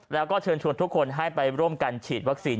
แล้วก็เชิญชวนทุกคนให้ไปร่วมกันฉีดวัคซีน